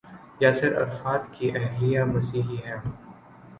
Yasir Arafat کی اہلیہ مسیحی ہیں۔